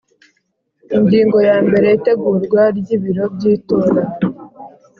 Ingingo ya mbere Itegurwa ry ibiro by itora